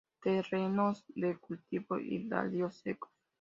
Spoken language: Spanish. Terrenos de cultivo y baldíos secos.